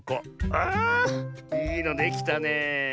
あいいのできたねえ。